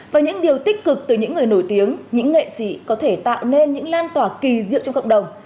với những điều tích cực từ những người nổi tiếng những nghệ sĩ có thể tạo nên những lan tỏa kỳ diệu trong cộng đồng